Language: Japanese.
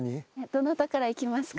どなたからいきますか？